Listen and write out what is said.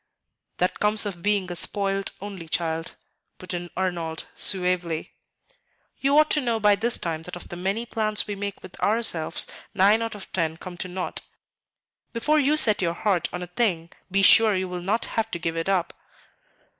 "That comes of being a spoilt only child," put in Arnold, suavely. "You ought to know by this time that of the many plans we make with ourselves, nine out of ten come to nought. Before you set your heart on a thing, be sure you will not have to give it up."